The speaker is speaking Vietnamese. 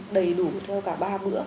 đầy đủ theo cả ba bữa